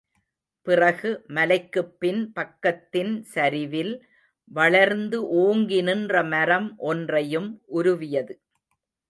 பிறகு மலைக்குப் பின் பக்கத்தின் சரிவில் வளர்ந்து ஓங்கி நின்ற மரம் ஒன்றையும் உருவியது.